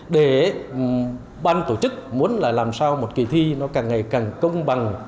để ban tổ chức muốn là làm sao một kỳ thi nó càng ngày càng công bằng